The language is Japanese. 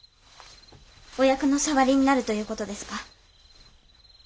お役の障りになるという事ですか？